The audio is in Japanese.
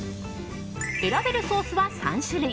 選べるソースは３種類。